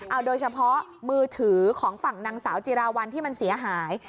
เอาโดยเฉพาะมือถือของฝั่งนางสาวจิราวัลที่มันเสียหาย